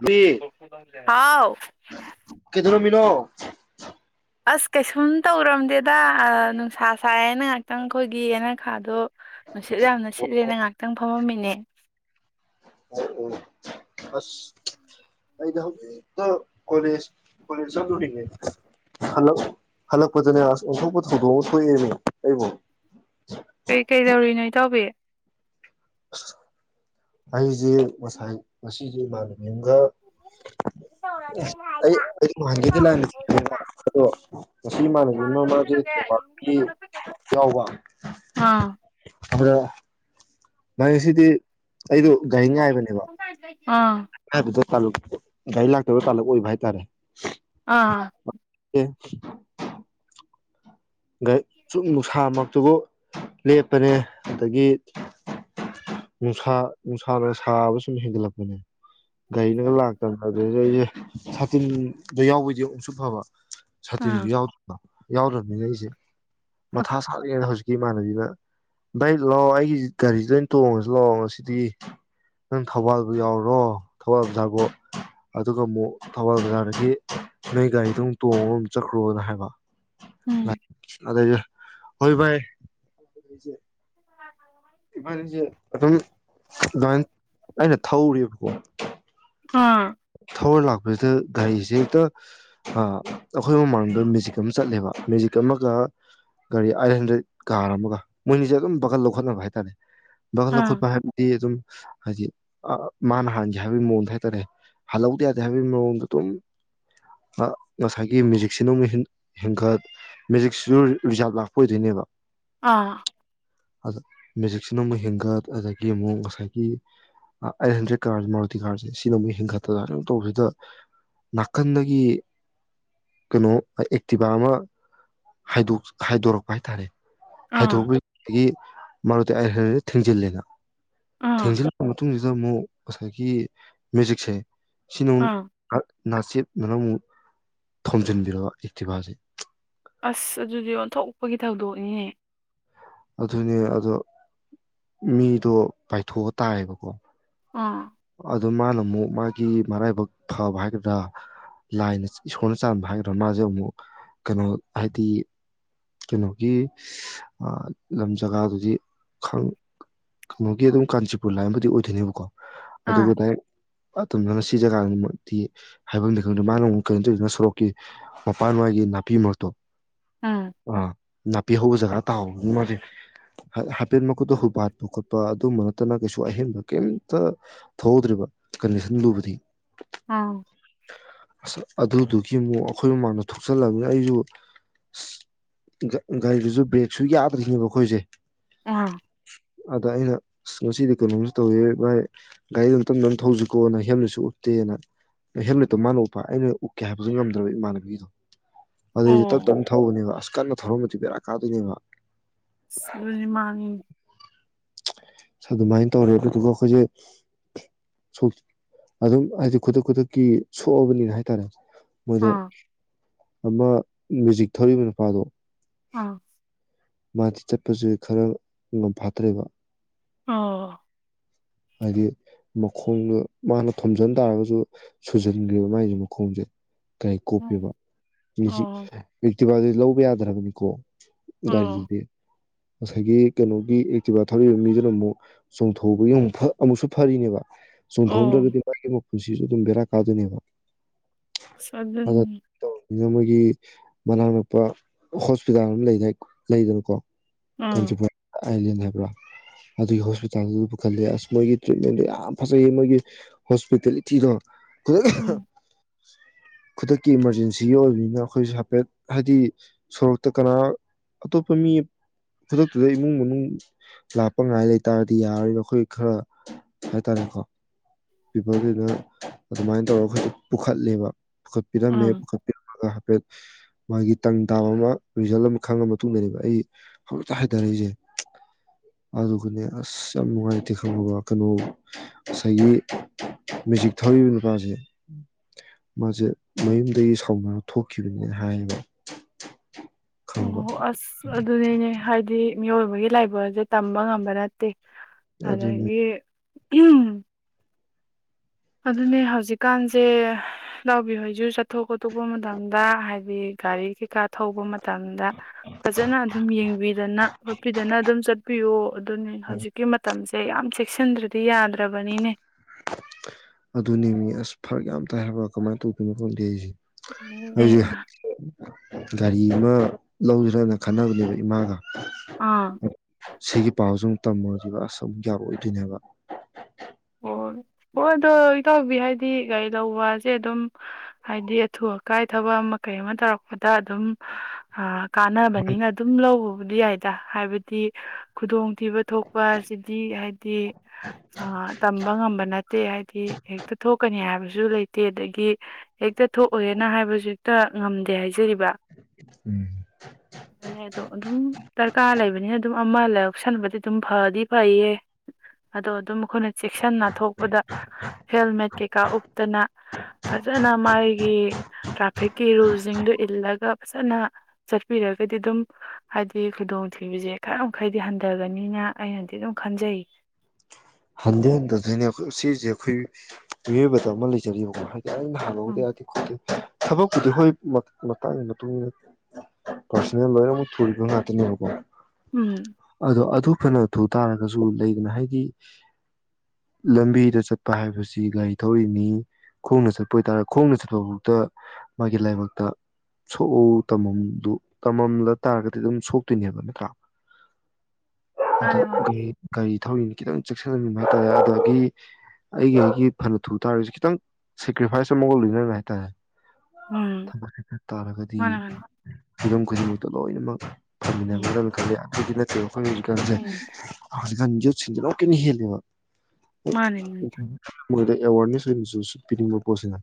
ꯂꯨꯏ ꯍꯥꯎꯥꯎ [inaudible] ꯑꯁ ꯀꯩꯁꯨꯝ ꯇꯧꯔꯝꯗꯦꯗ ꯅꯨꯡꯁꯥ ꯁꯥꯏꯌꯦꯅ ꯉꯥꯏꯍꯥꯛꯇꯪ ꯑꯩꯈꯣꯏꯒꯤ ꯑꯅ ꯈꯥꯗꯣ ꯅꯨꯡꯁꯤꯠꯂ ꯌꯥꯝ ꯑꯣ ꯅꯨꯡꯁꯤꯠꯂꯦꯅ ꯉꯥꯏꯍꯥꯛꯇꯪ ꯐꯝꯃꯤ ꯑꯅꯦ ꯎ ꯑꯁ ꯑꯩꯗꯤ ꯍꯧꯖꯤꯦꯛꯇ ꯀꯣꯂꯦꯖ ꯀꯣꯂꯦꯖ ꯆꯠꯂꯨꯔꯤꯉꯦ ꯍꯜꯂꯛꯄꯗꯅꯦ ꯑꯁ ꯑꯣꯟꯊꯣꯛꯄ ꯊꯧꯗꯣꯛ ꯑꯃ ꯊꯣꯛꯑꯦꯅꯦ ꯑꯩꯕꯨ ꯀꯩꯀꯩ ꯇꯧꯔꯤꯅꯣ ꯏ ꯇꯥꯎꯕꯤ [inaudible] ꯑꯩꯁꯦ ꯉꯁꯥꯏ ꯉꯁꯤꯁꯦ ꯏꯃꯥꯟꯅꯕꯤ ꯑꯃꯒ ꯑꯁ ꯑꯩ ꯑꯩ ꯅꯍꯥꯟꯒꯩꯗꯤ ꯂꯥꯟꯅ ꯆꯕ ꯑꯗꯣ ꯉꯁꯤ ꯏꯃꯥꯟꯅꯕꯤꯅꯃꯁꯦ ꯊꯣꯡꯕꯥꯒꯤ ꯌꯥꯎꯕ ꯑꯥ ꯑꯗꯨ ꯁꯤꯗꯤ ꯑꯩꯗꯣ ꯒꯥꯔꯤ ꯉꯥꯏꯕꯅꯦꯕ ꯑꯥ ꯕꯗ ꯇꯥ ꯒꯥꯔꯤ ꯂꯥꯛꯇꯕ ꯇꯥꯂꯛ ꯑꯣꯏꯕ ꯍꯥꯏꯇꯥꯔꯦ ꯑꯥ [unintelligible] ꯆꯨꯝ ꯅꯨꯡꯁꯥ ꯃꯛꯇꯨꯕꯨ ꯂꯦꯞꯄꯅꯦ ꯑꯗꯒꯤ ꯅꯨꯡꯁꯥ ꯅꯨꯡꯁꯥꯅ ꯁꯥꯕ ꯁꯨꯝ ꯍꯦꯟꯒꯠꯂꯛꯄꯅꯦ ꯒꯥꯅꯒ ꯂꯥꯛꯇꯕ ꯑꯗꯨꯁ ꯑꯩꯁꯦ ꯊꯥꯔꯇꯤꯟꯗ ꯌꯥꯎꯕꯩꯗꯤ ꯑꯃꯨꯛꯁꯨ ꯐꯕ ꯁꯥꯇꯤꯟꯁꯨ ꯑꯥ ꯌꯥꯎꯗ ꯌꯥꯎꯗꯅꯤꯁꯦ ꯃꯊꯥ ꯁ ꯌꯦꯅ ꯍꯧꯖꯤ ꯏꯃꯥꯟꯅꯕꯤꯅ ꯚꯩ ꯂꯥꯛꯑꯣ ꯑꯩꯒꯤ ꯒꯥꯔꯤꯁꯤ ꯂꯣꯏ ꯇꯣꯡꯉꯁꯨ ꯂꯥꯛꯑꯣ ꯉꯁꯤꯗꯤ ꯅꯪ ꯊꯧꯕꯥꯜꯕꯨꯥꯎ ꯌꯥꯎꯔꯣ ꯊꯧꯕꯥꯜ ꯕꯖꯥꯔꯐꯥꯎ ꯑꯗꯨꯒ ꯑꯃꯨꯛ ꯊꯧꯕꯥꯜ ꯕꯖꯥꯔꯗꯒꯤ ꯅꯣꯏ ꯒꯥꯔꯤꯗꯣ ꯑꯃꯨꯛ ꯇꯣꯡꯉꯒ ꯑꯃꯨꯛ ꯆꯠꯈ꯭ꯔꯣꯅ ꯍꯥꯏꯕ ꯎꯝ ꯑꯗ ꯍꯣꯏꯚꯥꯏ ꯏꯕꯥꯅꯤꯁꯦ ꯑꯗꯨꯝ ꯑꯗꯨꯃꯥꯏꯅ ꯑꯩꯅ ꯊꯧꯔꯦꯕꯀꯣ ꯑꯥ ꯊꯧꯔ ꯂꯥꯛꯄ ꯑꯗꯨꯗ ꯒꯥꯔꯤꯁꯦ ꯍꯦꯛꯇ ꯑꯩꯈꯣꯏ ꯃꯃꯥꯡꯗ ꯃꯦꯖꯤꯛ ꯑꯃ ꯆꯠꯂꯦꯕ ꯃꯦꯖꯤꯛ ꯑꯃꯒ ꯒꯥꯔꯤ ꯑꯥꯏꯠ ꯍꯟꯗ꯭ꯔꯦꯠ ꯀꯥꯔ ꯑꯃꯒ ꯃꯣꯏꯅꯤꯁꯦ ꯑꯗꯨꯝ ꯕꯒꯜ ꯂꯧꯈꯠꯅꯕ ꯍꯥꯏ ꯂꯜ ꯑꯥ ꯂꯈꯠ ꯄꯍꯔꯗꯤ ꯑꯗꯨꯝ ꯍꯥꯏꯗꯤ ꯃꯥꯅ ꯍꯥꯟꯒꯦ ꯍꯥꯏꯕꯒꯤ ꯃꯑꯣꯡꯗ ꯍꯥꯏꯇꯥꯔꯦ ꯍꯜꯍꯧꯗ ꯌꯥꯗꯦ ꯍꯥꯏꯕꯒꯤ ꯃꯑꯣꯡꯗ ꯑꯗꯨꯝ ꯉꯁꯥꯏꯒꯤ ꯃꯦꯖꯤꯛꯁꯤꯅꯃꯨꯛ ꯍꯦꯟꯒꯠ ꯃꯦꯖꯤꯛꯁꯤꯁꯨ ꯔꯤꯖꯥꯕ ꯂꯥꯛꯄ ꯑꯣꯏꯗꯣꯏꯅꯦꯕ ꯑꯥ ꯑꯗꯣ ꯃꯦꯖꯤꯛꯁꯤꯅ ꯑꯃꯨꯛ ꯍꯦꯟꯒꯠ ꯑꯗꯒꯤ ꯑꯃꯨꯛ ꯉꯁꯥꯏꯒꯤ ꯑꯩꯠ ꯍꯟꯗ꯭ꯔꯦꯠ ꯀꯥꯔꯁ ꯃꯥꯔꯜꯇꯤ ꯀꯥꯔꯁꯦ ꯁꯤꯅ ꯑꯃꯨꯛ ꯍꯦꯟꯒꯠꯇꯗꯅ ꯇꯧꯕꯁꯤꯗ ꯅꯥꯀꯟꯗꯒꯤ ꯀꯩꯅꯣ ꯑꯦꯛꯇꯤꯚ ꯑꯃ ꯍꯥꯏꯗꯣꯔꯛꯄ ꯍꯥꯏꯇꯥꯔꯦ ꯑꯥ ꯍꯥꯏꯗꯣꯛꯄꯗꯒꯤ ꯃꯔꯨꯗꯤ ꯑꯩ ꯍꯔꯗꯤ ꯊꯤꯡꯖꯤꯜꯂꯦꯅ ꯑꯥ ꯊꯦꯡꯖꯤꯜꯂꯛꯕ ꯃꯇꯨꯡꯁꯤꯗ ꯑꯃꯨꯛ ꯉꯁꯥꯏꯒꯤ ꯃ꯭ꯌꯨꯖꯤꯛꯁꯦ ꯁꯤꯅꯨꯡ ꯑꯥ ꯅꯥꯁꯤꯠ ꯅꯅꯪ ꯑꯃꯨꯛ ꯊꯣꯝꯖꯤꯟꯕꯤꯔꯔꯕ ꯏꯇꯤꯚꯥꯁꯦ ꯑꯁ ꯑꯗꯨꯗꯤ ꯑꯣꯟꯊꯣꯛꯄꯒꯤ ꯊꯧꯗꯣꯛꯅꯤꯅꯦ ꯑꯗꯨꯅꯦ ꯑꯗꯣ ꯃꯤꯗꯣ ꯄꯥꯏꯊꯣꯛꯑ ꯇꯥꯏꯌꯦꯕꯀꯣ ꯑ ꯑꯗꯨ ꯃꯥꯅ ꯑꯃꯨꯛ ꯃꯥꯒꯤ ꯃꯔꯥꯏꯕꯛ ꯐꯕ ꯍꯥꯏꯒꯗ꯭ꯔꯥ ꯂꯥꯏꯅ ꯏꯁꯣꯔꯅ ꯆꯥꯟꯕ ꯍꯥꯏꯒꯗ꯭ꯔꯥ ꯃꯥꯁꯦ ꯑꯃꯨꯛ ꯀꯩꯅꯣ ꯍꯥꯏꯗꯤ ꯀꯩꯅꯣꯒꯤ ꯂꯝ ꯖꯒꯥꯗꯨꯗꯤ ꯀꯩꯅꯣꯒꯤ ꯑꯗꯨꯝ ꯀꯥꯟꯆꯤꯄꯨꯔ ꯂꯥꯏꯕꯨꯗꯤ ꯑꯣꯏꯗꯣꯏꯅꯦꯕꯀꯣ ꯑꯥ ꯑꯗꯨꯒꯗ ꯄꯠꯇꯗꯅ ꯁꯤ ꯖꯒꯥꯅꯤꯃꯛꯇꯤ ꯍꯥꯏꯐꯝꯗꯤ ꯈꯪꯗꯦ ꯃꯥꯅ ꯑꯃꯨꯛ ꯀꯩꯅꯣ ꯇꯧꯔꯤꯁꯤꯅ ꯁꯣꯔꯣꯛꯀꯤ ꯃꯄꯥꯟꯋꯥꯏꯒꯤ ꯅꯥꯄꯤ ꯃꯔꯛꯇꯣ ꯑꯥ ꯑ ꯅꯄꯤꯍꯒ ꯖ ꯇ ꯃꯥ ꯍꯥꯏꯐꯦꯠ ꯃꯈꯨꯠꯇ ꯍꯨꯄꯥꯠꯄ ꯈꯣꯠꯄ ꯑꯗꯨꯝꯕ ꯅꯠꯇꯅ ꯀꯩꯁꯨ ꯑꯍꯦꯟꯕ ꯀꯩꯝꯇ ꯊꯧꯍꯧꯗ꯭ꯔꯤꯕ ꯀꯟꯗꯤꯁꯟ ꯂꯨꯕꯗꯤ ꯑꯥ ꯑꯁ ꯑꯗꯨꯗꯨꯒꯤ ꯑꯃꯨꯛ ꯑꯩꯈꯣꯏ ꯃꯃꯥꯡꯗ ꯊꯣꯛꯆꯜꯂꯕꯅꯤ ꯑꯩꯁꯨ ꯑ ꯒꯥꯔꯤꯗꯨꯁꯨ ꯕ꯭ꯔꯦꯛꯁꯨ ꯌꯥꯗ꯭ꯔꯤꯅꯦꯕ ꯑꯩꯈꯣꯏꯁꯦ ꯑ [unintelligible] ꯑꯗ ꯑꯩꯅ ꯉꯁꯤꯗꯤ ꯀꯩꯅꯣꯝꯁꯨ ꯇꯧꯋ ꯚꯥꯏ ꯒꯥꯔꯤꯗꯨꯣꯝ ꯇꯝꯗ ꯑꯃ ꯊꯧꯁꯤꯀꯣꯅ ꯍꯦꯜꯃꯦꯠꯁꯨ ꯎꯞꯇꯦꯅ ꯅ ꯍꯦꯜꯃꯦꯠꯇꯣ ꯃꯥꯅ ꯎꯞꯄ ꯑꯩꯅ ꯎꯞꯀꯦ ꯍꯥꯏꯕꯗꯨ ꯉꯝꯗ꯭ꯔꯕ ꯏꯃꯥꯟꯅꯕꯤꯒꯤꯗꯣ ꯑꯗꯨꯏꯁꯦ ꯇꯞ ꯑꯣ ꯇꯞꯅ ꯊꯧꯕꯅꯦꯕ ꯑꯁ ꯀꯟꯅ ꯊꯔ ꯆꯕꯦꯔꯥ ꯀꯥꯗꯅꯤꯉ ꯑꯁ ꯑꯗꯨꯗꯤ ꯃꯥꯅꯤ ꯑꯗꯨꯃꯥꯏꯅ ꯇꯧꯔꯦꯕꯗꯨꯒ ꯑꯩꯈꯣꯏꯁꯦ ꯁꯣꯛ ꯑꯗꯨꯝ ꯍꯥꯏꯗꯤ ꯈꯨꯗꯛ ꯈꯨꯗꯛꯀꯤ ꯁꯣꯛꯑꯕꯅꯤꯅ ꯍꯥꯏꯇꯥꯔꯦ ꯃꯣꯏꯗ ꯑꯥ ꯑꯃ ꯃꯦꯖꯤꯛ ꯊꯧꯔꯤꯕ ꯅꯨꯄꯥꯗꯣ ꯑꯥ ꯃꯥꯗꯤ ꯆꯠꯄꯁ ꯈꯔ ꯉꯝꯐꯥꯠꯇ꯭ꯔꯦꯕ ꯑꯣ ꯍꯥꯏꯗꯤ ꯃꯈꯣꯡꯗꯣ ꯃꯥꯅ ꯊꯣꯝꯖꯤꯟ ꯇꯥꯔꯒꯁꯨ ꯁꯨꯖꯟꯈ꯭ꯔꯦꯕ ꯃꯥꯒꯤꯁꯦ ꯃꯈꯣꯡꯁꯦ ꯀꯥꯏ ꯀꯣꯞꯄꯤꯕ ꯑꯣ [inaudible] ꯑꯦꯛꯇꯤꯕꯥꯗꯨꯗꯤ ꯂꯧꯕ ꯌꯥꯗ [unintelligible] ꯀꯣ ꯑꯣ [unintelligible] ꯉꯁꯥꯏꯒꯤ ꯀꯩꯅꯣꯒꯤ ꯑꯦꯛꯇꯤꯚꯠ ꯊꯧꯛꯏꯕ ꯃꯤꯗꯨꯅ ꯑꯃꯨꯛ ꯆꯣꯡꯊꯣꯛꯧꯕꯒꯤ ꯑꯃꯨꯛ ꯑꯃꯨꯛꯁꯨ ꯐꯔꯤꯅꯦꯕ ꯁꯨꯡ ꯑꯣ ꯊꯗꯒꯗꯤ ꯄ ꯄꯨꯟꯁꯤꯁꯨ ꯑꯗꯨꯝ ꯕꯔꯥ ꯀꯥꯗꯅꯦꯕ ꯁꯗꯝ ꯃꯣꯏꯒꯤ ꯃꯅꯥꯛ ꯅꯛꯄ ꯍꯣꯁꯄꯤꯇꯥꯜ ꯑꯃ ꯂꯩꯗꯥ ꯂꯩꯗꯅꯨꯀꯣ ꯑꯝ ꯑꯥꯏꯂꯦꯟ ꯍꯥꯏꯕ꯭ꯔꯥ ꯑꯗꯨꯒꯤ ꯍꯣꯁꯄꯤꯇꯥꯜꯗꯨꯕꯨ ꯈꯜꯂꯦ ꯑꯁ ꯃꯣꯏꯒꯤ ꯇ꯭ꯔꯤꯠꯃꯦꯟꯗꯣ ꯌꯥꯝ ꯐꯖꯩꯌꯦ ꯃꯣꯏꯒꯤ ꯍꯣꯁꯄꯤꯇꯦꯂꯤꯇꯤꯗꯣ ꯀ [unintelligible] ꯎꯝ ꯈꯨꯗꯛꯀꯤ ꯏꯃꯥꯔꯖꯦꯟꯁꯤꯒꯤ ꯑꯣꯏꯕꯅꯤꯅ ꯑꯩꯈꯣꯏꯁꯨꯦ ꯍꯥꯏꯐꯦꯠ ꯍꯥꯏꯗꯤ ꯁꯣꯔꯣꯛꯇ ꯀꯅꯥ ꯑꯇꯣꯞꯄ ꯃꯤ ꯈꯨꯗꯛꯇꯨꯗ ꯏꯃꯨꯡ ꯃꯅꯨꯡ ꯂꯥꯛꯄ ꯉꯥꯏ ꯂꯩꯇꯥꯥꯔꯗꯤ ꯌꯥꯔꯣꯏꯔꯤꯕ ꯑꯩꯈꯣꯏ ꯈꯔ ꯍꯥꯏꯇꯥꯔꯦꯀꯣ ꯄꯤꯄꯜꯗꯨꯗ ꯑꯗꯨꯃꯥꯏꯅ ꯇꯧꯔꯒ ꯈ ꯄꯨꯈꯠꯂꯦꯕ ꯄꯨ ꯀꯠꯄꯤꯗ ꯃ ꯑꯥ ꯄꯨ ꯀꯠꯄꯤ ꯍꯥꯏꯐꯦꯠ ꯃꯥꯒꯤ ꯇꯪ ꯇꯥꯕ ꯑꯃ ꯔꯤꯖꯜ ꯑꯃ ꯈꯪꯉ ꯃꯇꯨꯡꯗꯅꯦꯕ ꯑꯩ ꯍꯧꯖꯤꯛꯇ ꯍꯥꯏꯊꯔꯛꯏꯁꯦ ꯑꯗꯨꯒꯅꯦ ꯑꯁ ꯌꯥꯝ ꯅꯨꯡꯉꯥꯏꯇꯦ ꯈꯪꯕꯕ ꯀꯩꯅꯣ ꯉꯁꯥꯏꯒꯤ ꯃꯦꯖꯤꯛ ꯊꯧꯔꯤꯕ ꯅꯨꯄꯥꯁꯦ ꯃꯥꯁꯦ ꯃꯌꯨꯝꯗꯒꯤ ꯁꯥꯎꯅꯔ ꯊꯣꯛꯈꯤꯕꯅꯤꯅ ꯍꯥꯏꯌꯦꯕ ꯈꯪꯉꯕ ꯑꯣ ꯑꯁ ꯑꯗꯨꯅꯤꯅꯦ ꯍꯥꯏꯗꯤ ꯃꯤꯑꯣꯏꯕꯒꯤ ꯂꯥꯏꯕ ꯁꯦ ꯇꯝꯕ ꯉꯝꯕ ꯅꯠꯇꯦ ꯑꯗꯨꯅꯤ ꯑꯗꯒꯤ ꯎꯝ ꯑꯗꯨꯅꯦ ꯍꯧꯖꯤꯛꯀꯥꯟ ꯁꯦ ꯂꯧꯕꯕꯤꯍꯣꯏꯁꯨ ꯆꯠꯊꯣꯛ ꯈꯣꯠꯇꯣꯛꯄ ꯃꯇꯝꯗ ꯍꯥꯏꯗꯤ ꯒꯥꯔꯤ ꯀꯩ ꯀꯥ ꯊꯧꯕ ꯃꯇꯝꯗ ꯐꯖꯅ ꯑꯗꯨꯝ ꯌꯦꯡꯕꯤꯗꯅ ꯈꯣꯠꯄꯤꯗꯅ ꯑꯗꯨꯝ ꯆꯠꯄꯤꯌꯣ ꯑꯗꯨꯅꯤ ꯍꯧꯖꯤꯛꯀꯤ ꯃꯇꯝꯁꯤꯦ ꯁꯤꯦ ꯌꯥꯝ ꯆꯦꯛꯁꯤꯟꯗ꯭ꯔꯗꯤ ꯌꯥꯗ꯭ꯔꯕꯅꯤꯅꯦ ꯑꯗꯨꯅꯦ ꯃꯤ ꯑꯁ ꯐꯔꯛ ꯌꯥꯝ ꯇꯥꯏ ꯍꯥꯏꯔꯕ ꯀꯃꯥꯏꯅ ꯇꯧꯗꯣꯏꯅꯣ ꯈꯪꯗꯦ ꯑꯩꯁꯦ ꯑꯩꯁꯦ ꯎ ꯒꯥꯔꯤ ꯑꯃ ꯂꯧꯗ꯭ꯔꯅ ꯈꯟꯅꯕꯅꯦꯕ ꯏꯃꯥꯒ ꯑꯥ ꯁꯤꯒꯤ ꯄꯥꯎꯁꯤ ꯑꯃꯨꯛ ꯇꯝꯃꯨꯔꯁꯤꯕ ꯑꯁ ꯑꯃꯨꯛ ꯌꯥꯔꯛꯑꯣꯏꯗꯣꯏꯅꯦꯕ ꯑꯣ ꯍꯣꯏ ꯑꯗꯣ ꯏꯇꯥꯎꯕꯤ ꯍꯥꯏꯗꯤ ꯒꯥꯔꯤ ꯂꯧꯕꯁꯦ ꯑꯗꯨꯝ ꯍꯥꯏꯗꯤ ꯑꯊꯨ ꯑꯀꯥꯏ ꯊꯕꯛ ꯑꯃ ꯀꯩ ꯑꯃ ꯇꯧꯔꯛꯄꯗ ꯑꯗꯨꯝ ꯀꯥꯟꯅꯕꯅꯤꯅ ꯑꯗꯨꯝ ꯂꯧꯎ ꯌꯥꯏꯗ ꯍꯥꯏꯕꯗꯤ ꯈꯨꯗꯣꯡꯊꯤꯕ ꯊꯣꯛꯄ ꯑꯁꯤꯗꯤ ꯍꯥꯏꯗꯤ ꯇꯝꯕ ꯉꯝꯕꯅ ꯠꯇꯦ ꯍꯥꯏꯗꯤ ꯍꯦꯛꯇ ꯊꯣꯛꯀꯅꯤ ꯍꯥꯏꯕꯁꯨ ꯂꯩꯇꯦ ꯑꯗꯒꯤ ꯍꯦꯛꯇ ꯊꯣꯛꯎꯦꯅ ꯍꯥꯏꯕꯁꯨ ꯍꯦꯛꯇ ꯉꯝꯗꯦ ꯍꯥꯏꯖꯔꯤꯕ ꯎꯝ ꯑꯗꯨꯅꯦ ꯑꯗꯣ ꯑꯗꯨꯝ ꯗꯔꯀꯥꯔ ꯂꯩꯕꯅꯤꯅ ꯑꯗꯨꯝ ꯑꯃ ꯂꯁꯟꯕꯗꯤ ꯑꯗꯨꯝ ꯐꯗꯤ ꯐꯩꯌꯦ ꯑꯗꯣ ꯑꯗꯨꯝ ꯑꯩꯈꯣꯏꯅ ꯆꯦꯛꯁꯤꯟꯅ ꯊꯣꯛꯄꯗ ꯍꯦꯜꯃꯦꯠ ꯀꯩꯀꯥ ꯎꯞꯇꯅ ꯐꯖꯅ ꯃꯥꯒꯤ ꯇ꯭ꯔꯥꯐꯤꯛꯀꯤ ꯔꯨꯜꯁꯤꯡꯗꯨ ꯏꯜꯂꯒ ꯐꯖꯅ ꯆꯠꯄꯤꯔꯒꯗꯤ ꯑꯗꯨꯝ ꯍꯥꯏꯗꯤ ꯈꯨꯗꯣꯡꯊꯤꯕꯁꯦ ꯈꯔ ꯃꯈꯩꯗꯤ ꯍꯟꯊꯒꯅꯤꯅ ꯑꯩꯅꯗꯤ ꯑꯗꯨꯝ ꯈꯟꯖꯩ ꯍꯟꯊ ꯍꯟꯊꯅꯅꯦ ꯑꯩꯈꯣꯏ ꯁꯤꯁꯦ ꯑꯩꯈꯣꯏ ꯃꯤꯑꯣꯏꯕꯗ ꯑꯃ ꯂꯩꯖꯔꯤꯕꯀꯣ ꯍꯥꯏ ꯎꯝ ꯌꯥꯚꯜꯗꯗꯤ ꯈꯗ ꯊꯕꯛꯄꯨꯗꯤ ꯍꯣꯏ ꯃꯇꯥꯡꯒꯤ ꯃꯇꯨꯡ ꯏ ꯃꯇꯨꯡꯏꯟꯅ ꯄꯥꯔꯁꯣꯅꯦꯜ ꯂꯣꯏꯅꯃꯛꯛ ꯊꯨꯔꯤꯕ ꯉꯥꯛꯇꯅꯦꯕꯀꯣ ꯎꯝ ꯑꯗꯣ ꯑꯗꯨ ꯑꯩꯈꯣꯏꯅ ꯊꯨ ꯇꯥꯔꯒꯁꯨ ꯂꯩꯗꯅ ꯍꯥꯏꯗꯤ ꯂꯝꯕꯤꯗ ꯆꯠꯄ ꯍꯥꯏꯕꯁꯤ ꯒꯥꯔꯤ ꯊꯧꯔꯤꯅꯤ ꯈꯣꯡꯅ ꯆꯠꯄ ꯑꯣꯏꯇꯥꯔꯦ ꯈꯣꯡꯅ ꯆꯠꯄꯐꯥꯎꯗ ꯃꯥꯒꯤ ꯂꯥꯏꯕꯛꯇ ꯁꯣꯛꯎ ꯇꯝꯃꯝꯗꯨ ꯇꯝꯃꯝꯂ ꯇꯥꯔꯒꯗꯤ ꯑꯗꯨꯝ ꯁꯣꯛꯇꯣꯏꯅꯦꯕ ꯅꯠꯇ꯭ꯔꯥ ꯃꯥꯅꯦ ꯃꯥꯅꯦ ꯑꯗꯣꯔꯤꯔꯤ ꯊ ꯈꯤꯇꯪ ꯆꯦꯛꯁꯤꯟꯃꯤꯕ ꯍꯥꯏꯇꯥꯔꯦ ꯑꯗꯒꯤ ꯑꯩꯒꯤ ꯑꯩꯒꯤ ꯐꯅ ꯊꯨ ꯇꯥꯔꯤꯁꯤ ꯈꯤꯇꯪ ꯁꯦꯀ꯭ꯔꯤꯐꯥꯏꯁ ꯑꯃꯒ ꯂꯣꯏꯅꯃꯤ ꯍꯥꯏꯇꯥꯔꯦ ꯎꯝ ꯊꯕꯛ ꯆꯈ ꯇꯥꯔꯒꯗꯤ ꯃꯥꯅꯦ ꯃꯥꯅꯦ ꯍꯤꯕꯝ ꯈꯨꯗꯤꯡꯃꯛꯇ ꯂꯣꯏꯅꯃꯛ ꯃꯤ ꯎꯝ ꯃꯔꯔ ꯈ ꯕꯤꯂꯠꯇꯣ ꯑꯩꯈ ꯀꯁꯦ ꯎꯝ ꯍꯟꯖ ꯀꯅꯤ ꯍꯍꯅꯤꯡꯕ ꯃꯥꯅꯦ ꯃꯥꯅꯦ [inaudible] ꯃꯣꯏ ꯑꯦꯋꯥꯦꯔꯅꯦꯁ ꯂꯩꯁꯨ ꯄꯤꯕꯨ ꯄꯣꯁꯤꯅ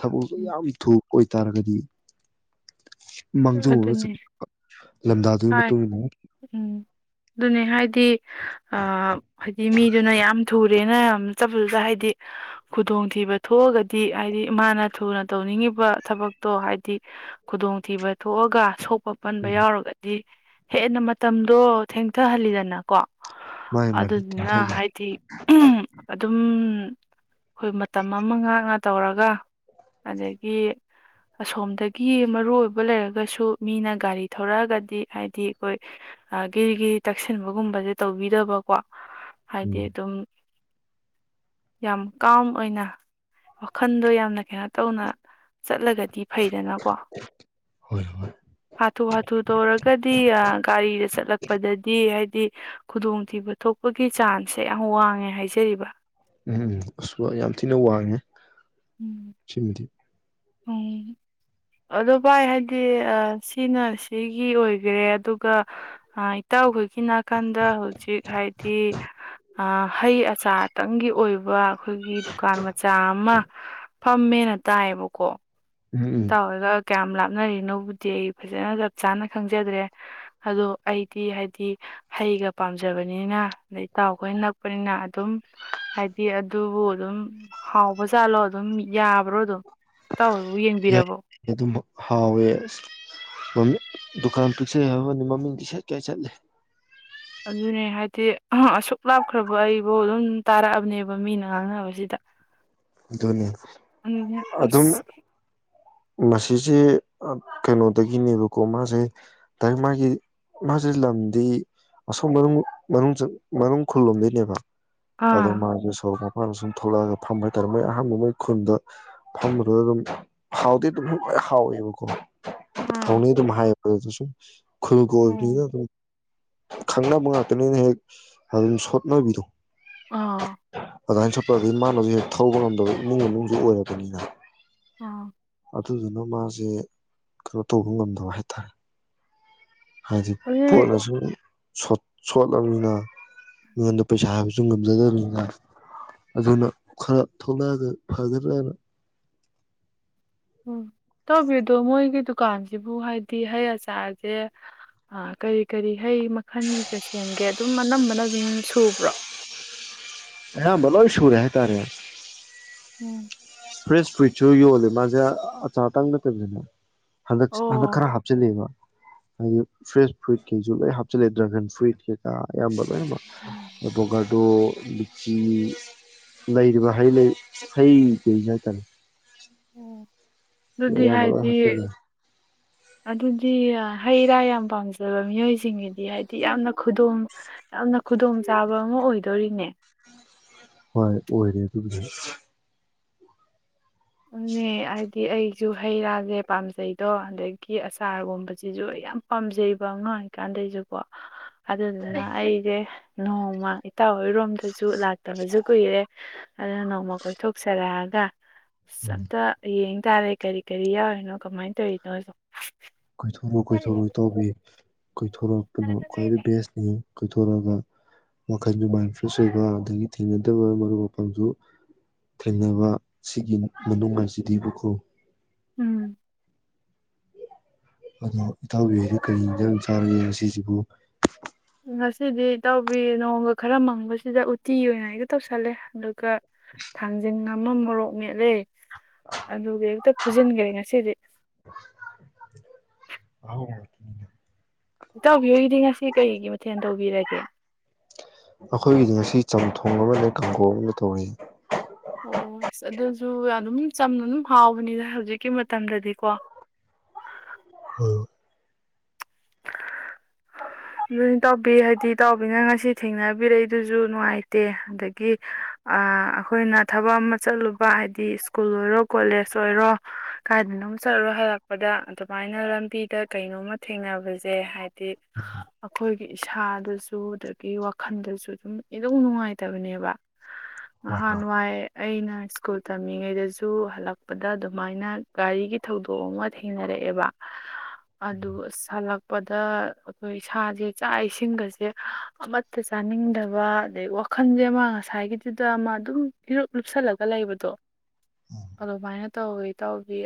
ꯊꯕꯛꯁꯨꯣ ꯎꯝ ꯌꯥꯝ ꯊꯨ ꯑꯣꯏꯇꯥꯔꯒꯗꯤ ꯃꯪꯁꯨ ꯑꯣꯔ ꯆ ꯍꯣꯏ ꯎꯝ ꯑꯗꯨꯅꯤ ꯍꯥꯏꯗꯤ ꯍꯥꯏꯗꯤ ꯃꯤꯗꯨꯅ ꯌꯥꯝ ꯊꯨ ꯇꯨꯔꯦꯅ ꯌꯥꯝ ꯆꯠꯄꯗꯨꯗ ꯍꯥꯏꯗꯤ ꯈꯨꯗꯣꯡꯊꯤꯕ ꯊꯣꯛꯑꯒꯗꯤ ꯍꯥꯏꯗꯤ ꯃꯥꯃꯥꯅ ꯊꯨꯅ ꯇꯧꯅꯤꯡꯉꯤꯕ ꯊꯕꯛꯇꯣ ꯍꯥꯏꯗꯤ ꯈꯨꯗꯣꯡꯊꯤꯕ ꯊꯣꯛꯑꯒ ꯍꯣ ꯄꯟꯕ ꯎꯝ ꯌꯥꯎꯔꯒꯅꯤ ꯍꯦꯟꯅ ꯃꯇꯝꯗꯣ ꯊꯦꯡꯊꯍꯜꯂꯤꯗꯅꯀꯣ ꯃꯥꯒꯤ ꯃꯥꯒꯤ ꯑꯗꯨꯗꯨꯅ ꯇꯦꯟꯊꯈꯤ ꯍꯥꯏꯗꯤ ꯑꯗꯨꯝ ꯑꯩꯈꯣꯏ ꯃꯇꯝ ꯑꯃ ꯉꯥꯛꯅ ꯇꯧꯔꯒ ꯑꯗꯒꯤ ꯑꯁꯣꯝꯗꯒꯤ ꯃꯔꯨ ꯑꯣꯏꯕ ꯂꯩꯔꯒꯁꯨ ꯃꯤꯅ ꯒꯥꯔꯤ ꯊꯧꯔꯛꯑꯒꯗꯤ ꯍꯥꯏꯗꯤ ꯑꯩꯈꯣꯏ ꯒꯤꯒꯤ ꯇꯛꯁꯤꯟꯕꯒꯨꯝꯕꯁꯦ ꯇꯧꯕꯤꯗꯕꯀꯣ ꯍꯥꯏꯗꯤ ꯎꯝ ꯑꯗꯨꯝ ꯌꯥꯝ ꯀꯥꯝ ꯑꯣꯏꯅ ꯋꯥꯈꯜꯗꯣ ꯌꯥꯝꯅ ꯀꯩꯅꯣ ꯇꯧꯅ ꯆꯠꯂꯒꯗꯤ ꯐꯩꯗꯅꯀꯣ ꯍꯣꯏ ꯍꯣꯏ ꯍꯥꯊꯨ ꯍꯥꯊꯨ ꯇꯧꯔꯒ ꯁꯤ ꯒꯥꯔꯤꯗ ꯆꯠꯂꯛꯄꯗꯗꯤ ꯍꯥꯏꯗꯤ ꯈꯨꯗꯣꯡꯊꯤꯕ ꯊꯣꯛꯄꯒꯤ ꯆꯥꯟꯁꯁꯦ ꯌꯥꯝ ꯋꯥꯡꯉꯦ ꯍꯥꯏꯖꯔꯤꯕ ꯎꯝ ꯑꯁꯨ ꯌꯥꯝ ꯊꯤꯅ ꯋꯥꯡꯉꯦ ꯎꯝ ꯁꯤꯗꯤ ꯎꯝ ꯑꯗꯣ ꯚꯥꯏ ꯍꯥꯏꯗꯤ ꯁꯤꯅ ꯁꯤꯒꯤ ꯑꯣꯏꯈꯔꯦ ꯑꯗꯨꯒ ꯏꯇꯥꯎꯈꯣꯏꯒꯤ ꯅꯥꯀꯟꯗ ꯍꯧꯖꯤꯛ ꯍꯥꯏꯗꯤ ꯍꯩ ꯑꯆꯥ ꯑꯇꯪꯒꯤ ꯑꯣꯏꯕ ꯑꯩꯈꯣꯏꯒꯤ ꯗꯨꯀꯥꯟ ꯃꯆꯥ ꯑꯃ ꯐꯝꯃꯦꯅ ꯇꯥꯏꯌꯦꯕꯀꯣ ꯀꯣ ꯎꯝ ꯎꯝ ꯇꯥꯎ ꯀꯌꯥꯝ ꯂꯥꯞꯅꯔꯤꯅꯣꯕꯨꯗꯤ ꯑꯩ ꯐꯖꯅ ꯆꯞ ꯆꯥꯅ ꯈꯪꯖꯗ꯭ꯔꯦ ꯑꯗꯣ ꯑꯩꯗꯤ ꯍꯥꯏꯗꯤ ꯍꯩꯒ ꯄꯥꯝꯖꯕꯅꯤꯅ ꯑꯗꯩ ꯇꯥꯎꯈꯣꯏ ꯅꯛꯄꯅꯤꯅ ꯑꯗꯨꯝ ꯍꯥꯏꯗꯤ ꯑꯗꯨꯕꯨ ꯑꯗꯨꯝ ꯍꯥꯎꯕ ꯆꯥꯠꯂꯣ ꯑꯗꯨꯝ ꯌꯥꯕ꯭ꯔꯣ ꯑꯗꯨꯝ ꯇꯥꯎ ꯑꯗꯨꯝ ꯍꯥꯎꯋꯦ ꯑꯃꯤ ꯗꯨꯀꯥꯟ ꯄꯤꯛꯁꯩ ꯍꯥꯏꯕꯅꯤ ꯃꯃꯤꯡꯗꯤ ꯁꯠ ꯀꯌꯥ ꯆꯠꯂꯦ ꯑꯗꯨꯅꯦ ꯍꯥꯏꯗꯤ ꯑꯁꯨꯛ ꯂꯥꯞꯈ꯭ꯔꯕ ꯑꯩꯕꯨ ꯑꯗꯨꯝ ꯇꯥꯔꯛꯑꯕꯅꯦꯕ ꯃꯤꯅ ꯉꯥꯡꯅꯕꯁꯤꯗ ꯑꯗꯨꯅꯦ ꯑꯗꯨꯅꯦ ꯑꯗꯨꯝ ꯑꯁ ꯃꯁꯤꯁꯦ ꯀꯩꯅꯣꯗꯒꯤꯅꯦꯕꯀꯣ ꯃꯥꯁꯦ ꯃꯥꯒꯤ ꯃꯥꯁꯦ ꯂꯝꯗꯤ ꯑꯁꯣꯝ ꯃꯅꯨꯡ ꯈꯨꯜꯂꯣꯝꯗꯒꯤꯩꯅꯦꯕ ꯑꯗꯨ ꯑꯥ ꯃꯥꯒꯤ ꯁꯣ ꯃꯥꯅ ꯁꯨꯝ ꯊꯣꯛꯂꯛꯑꯒ ꯐꯝꯕ ꯍꯥꯏꯇꯥꯔꯦ ꯃꯣꯏ ꯑꯍꯥꯟꯕ ꯃꯣꯏ ꯈꯨꯟꯗ ꯐꯝꯕꯗꯨꯗ ꯑꯗꯨꯝ ꯍꯥꯎꯗꯤ ꯇꯛ ꯍꯥꯎꯋꯕꯨ ꯀꯣ ꯑꯥ ꯊꯧꯅꯤ ꯑꯗꯨꯝ ꯍꯥꯏꯌꯦ ꯑ ꯆꯁꯨꯝ ꯈꯣꯏ ꯀꯣ ꯎꯝ ꯈꯪꯅꯕ ꯉꯥꯛꯇꯅꯤꯅ ꯍꯦꯛ ꯑꯗꯨꯝ ꯁꯣꯠꯅꯕꯤꯔꯣ ꯑꯥ꯫ ꯑꯗꯨꯃꯥꯏꯅ ꯁꯨꯞꯄ [unintelligible] ꯃꯥꯅ ꯍꯧꯖꯤꯛ ꯊꯧꯕ ꯉꯝꯗꯕ ꯏꯃꯨꯡ ꯃꯅꯨꯡꯖꯨ ꯑꯣꯏꯔꯕꯅꯤꯅ꯫ ꯑ꯫ ꯑꯗꯨꯗꯨꯅ ꯃꯥꯖꯦ ꯀꯩꯅꯣ ꯇꯧꯕ ꯉꯝꯗꯕ ꯍꯥꯏꯇꯥꯔꯦ꯫ ꯍꯥꯏꯗꯤ ꯑꯗꯨꯗꯤ [unintelligible] ꯁꯣꯠ ꯁꯣꯠꯂꯕꯅꯤꯅ ꯃꯤꯉꯣꯟꯗ ꯄꯩꯁꯥ ꯍꯥꯏꯕꯖꯨ ꯉꯝꯖꯗꯕꯅꯤꯅ ꯑꯗꯨꯅ ꯈꯔ ꯊꯣꯛꯂꯛꯑꯒ ꯐꯒꯗ꯭ꯔꯅ꯫ ꯎꯝ ꯇꯥꯎꯕꯤꯗꯣ ꯃꯣꯏꯒꯤ ꯗꯨꯀꯥꯟꯖꯤꯕꯨ ꯍꯥꯏꯗꯤ ꯍꯩ ꯑꯆꯥꯔꯖꯦ ꯀꯔꯤ ꯀꯔꯤ ꯍꯩ ꯃꯈꯜꯥꯟꯒꯤꯒ ꯁꯦꯝꯒꯦ ꯑꯗꯨꯝ ꯑꯅꯝꯕꯅ ꯑꯗꯨꯝ ꯁꯨꯕ꯭ꯔꯣ꯫ ꯑꯌꯥꯝꯕ ꯂꯣꯏꯁꯨꯔꯦ ꯍꯥꯏꯇꯥꯔꯦ꯫ ꯎꯝ꯫ ꯐ꯭ꯔꯦꯁ ꯐꯔꯨꯏꯠꯁꯨ ꯌꯣꯜꯂꯦ ꯃꯥꯖꯦ ꯑꯆꯥꯔ ꯇꯪ ꯅꯠꯇꯕꯤꯗ꯫ ꯍꯟꯗꯛ ꯍꯟꯗꯛ ꯈꯔ ꯑꯣ ꯍꯥꯞꯆꯤꯂꯦꯕ꯫ ꯍꯥꯏꯗꯤ ꯐ꯭ꯔꯦꯁ ꯐꯔꯨꯏꯠ ꯀꯩꯖꯨ ꯂꯣꯏ ꯍꯥꯞꯆꯤꯂꯦ ꯗꯔꯥꯒꯟ ꯐꯔꯨꯏꯠ ꯀꯩꯀꯥ ꯑꯌꯥꯝꯕ꯫ ꯎꯝ [unintelligible] ꯑꯗꯣ ꯂꯤꯆꯤ ꯂꯩꯔꯤꯕ ꯍꯩ ꯂꯩ ꯍꯩ [unintelligible] ꯍꯥꯏꯇꯥꯔꯦ [inaudible] ꯑꯣ ꯑꯗꯨꯗꯤ ꯑꯌꯥꯝꯕ ꯂꯣꯏ ꯍꯥꯏꯗꯤ ꯍꯥꯞꯆꯤꯜꯂꯦ ꯑꯗꯨꯗꯤ ꯍꯩ ꯔꯥ ꯌꯥꯝ ꯄꯥꯝꯖꯕ ꯃꯤꯑꯣꯏꯖꯤꯡꯒꯤꯗꯤ ꯍꯥꯏꯗꯤ ꯌꯥꯝꯅ ꯈꯨꯗꯣꯡ ꯌꯥꯝꯅ ꯈꯨꯗꯣꯡꯆꯥꯥꯕ ꯑꯃ ꯑꯣꯏꯗꯣꯔꯤꯅꯦ꯫ ꯍꯣꯏ ꯑꯣꯏꯔꯦ ꯑꯗꯨꯒꯤꯗꯤ꯫ ꯑꯗꯨꯅꯦ ꯗꯤ ꯑꯩꯖꯨ ꯍꯩ ꯔꯥꯖꯦ ꯄꯥꯝꯖꯩꯗꯣ ꯑꯗꯒꯤ ꯑꯆꯥꯥꯔꯒꯨꯝꯕꯖꯤꯖꯨ ꯑꯩ ꯌꯥꯝ ꯄꯥꯝꯖꯩꯕ ꯑꯉꯥꯡ ꯑꯣꯏꯔꯤꯀꯥꯟꯗꯩꯖꯨꯀꯣ꯫ ꯑꯗꯨꯗꯨꯅ ꯑꯩꯖꯦ ꯅꯣꯡꯃ ꯏꯇꯥꯎ ꯍꯣꯏꯔꯣꯝꯗꯖꯨ ꯂꯥꯛ ꯇꯕꯖꯨ ꯀꯨꯏꯔꯦ ꯑꯗꯨꯅ ꯅꯣꯡꯃ ꯀꯣꯏꯊꯣꯛꯆꯔ [unintelligible] ꯑꯁ ꯎꯝ ꯑꯝꯇ ꯑꯌꯦꯡ ꯇꯥꯔꯦ ꯀꯔꯤ ꯀꯔꯤ ꯌꯥꯎꯔꯤꯅꯣ ꯀꯃꯥꯏꯅ ꯇꯧꯔꯤꯅꯣꯗꯣ꯫ ꯀꯣꯏꯊꯣꯔꯛꯑꯣ ꯀꯣꯏꯊꯣꯔꯑꯣ ꯏꯇꯥꯎꯕꯤ ꯀꯣꯏꯊꯣꯔꯛꯄꯅ ꯈ꯭ꯋꯥꯏꯗꯒꯤ ꯕꯦꯁꯅꯤ ꯀꯣꯏꯊꯣꯔꯛꯑꯒ ꯋꯥꯈꯜꯁꯨ ꯃꯥꯏꯟ ꯐꯔꯦꯁ ꯑꯣꯏꯕ ꯑꯗꯒꯤ ꯊꯦꯡꯅꯗꯕ ꯃꯔꯨꯞ ꯃꯄꯥꯡꯖꯨ ꯊꯦꯡꯅꯕ ꯁꯤꯒꯤ ꯃꯅꯨꯡꯉꯥꯏꯖꯤꯗꯤꯕꯀꯣ꯫ ꯎꯝ꯫ ꯑꯗꯣ ꯏꯇꯥꯎꯕꯤ ꯍꯣꯏꯗꯤ ꯀꯔꯤ ꯏꯟꯖꯥꯡ [unintelligible] ꯆꯥꯔꯒꯦ ꯉꯁꯤꯖꯤ ꯑꯗꯨꯕꯨ ꯉꯁꯤꯗꯤ ꯏꯇꯥꯎꯕꯤ ꯅꯣꯡꯒ ꯈꯔ ꯃꯪꯕꯖꯤꯗ ꯎꯇꯤ ꯑꯣꯏꯅ ꯍꯦꯛꯇ ꯇꯧꯁꯜꯂꯦ ꯑꯗꯨꯒ ꯊꯥꯡꯖꯟ ꯑꯃ ꯃꯣꯔꯣꯛ ꯃꯦꯠꯂꯦ ꯑꯗꯨꯒ ꯍꯦꯛꯇ ꯐꯨꯖꯤꯟꯒꯔꯦ ꯉꯁꯤꯗꯤ꯫ ꯑꯍꯥꯎꯕ ꯉꯥꯛꯇꯅꯤꯅꯦ ꯏꯇꯥꯎꯕꯤꯍꯣꯏꯒꯤꯗꯤ ꯉꯁꯤ ꯀꯔꯤꯒꯤ ꯃꯊꯦꯜ ꯇꯧꯕꯤꯔꯒꯦ꯫ ꯑꯩꯈꯣꯏꯒꯤꯗꯤ ꯉꯁꯤ ꯆꯝꯊꯣꯡ ꯑꯃꯅꯦ ꯀꯥꯡꯒꯧ ꯑꯃꯅꯦ ꯇꯧꯔꯦ꯫ ꯑꯣ ꯑꯗꯨꯁꯨ ꯑꯗꯨꯝ ꯆꯝꯅ ꯑꯗꯨꯝ ꯍꯥꯎꯕꯅꯤꯗ ꯍꯧꯖꯤꯛꯀꯤ ꯃꯇꯝꯗꯗꯤꯀꯣ ꯍꯣꯏ ꯂꯣꯏ ꯇꯧꯕꯕꯤ ꯍꯥꯏꯗꯤ ꯇꯥꯎꯕꯤꯅ ꯉꯁꯤ ꯊꯦꯡꯅꯕꯤꯔꯛꯏꯗꯨꯁꯨ ꯅꯨꯡꯉꯥꯏꯇꯦ ꯑꯗꯒꯤ ꯑꯩꯈꯣꯏꯅ ꯊꯕꯛ ꯑꯃ ꯆꯠꯂꯨꯕ ꯍꯥꯏꯕꯗꯤ ꯁ꯭ꯀꯨꯜ ꯑꯣꯏꯔꯣ ꯀꯣꯂꯦꯖ ꯑꯣꯏꯔꯣ ꯀꯥꯏꯗꯅꯣꯝ ꯆꯠꯂꯣ ꯍꯜꯂꯛꯄꯗ ꯑꯗꯨꯃꯥꯏꯅ ꯂꯝꯕꯤꯗ ꯀꯩꯅꯣꯝꯃ ꯊꯦꯡꯅꯕꯁꯦ ꯍꯥꯏꯗꯤ ꯑꯩꯈꯣꯏꯒꯤ ꯏꯁꯥꯗꯁꯨ ꯑꯗꯒꯤ ꯋꯥꯈꯜꯗꯁꯨ ꯑꯗꯨꯝꯝ ꯅꯨꯡꯉꯥꯏꯇꯕꯅꯦꯕ ꯍꯣꯏ ꯅꯍꯥꯟꯋꯥꯏ ꯑꯩꯅ ꯁ꯭ꯀꯨꯜ ꯇꯝꯃꯤꯉꯩꯗꯁꯨ ꯍꯜꯂꯛꯄꯗ ꯑꯗꯨꯃꯥꯏꯅ ꯒꯥꯔꯤꯒꯤ ꯊꯧꯗꯣꯛ ꯑꯃ ꯊꯦꯡꯅꯔꯛꯑꯦꯕ ꯑꯗꯨ ꯍꯜꯂꯛꯄꯗ ꯑꯩꯈꯣꯏ ꯏꯁꯥꯁꯦ ꯆꯥꯛ ꯏꯁꯤꯡꯒꯁꯦ ꯑꯃꯠꯇ ꯆꯥꯅꯤꯡꯗꯕ ꯑꯗꯩ ꯋꯥꯈꯜꯁꯦ ꯑꯃ ꯉꯁꯥꯏꯒꯤꯗꯨꯗ ꯑꯃ ꯑꯗꯨꯝ ꯏꯔꯨꯞ ꯂꯨꯞꯁꯜꯂꯒ ꯂꯩꯕꯗꯣ ꯑꯗꯨꯃꯥꯏꯅ ꯇꯧꯋꯤ ꯇꯧꯋꯕꯤ